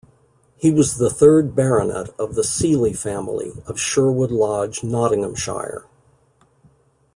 He was the third baronet of the Seely family, of Sherwood Lodge, Nottinghamshire.